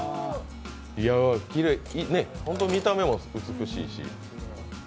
見た目も美しいし。